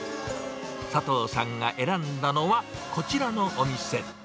佐藤さんが選んだのは、こちらのお店。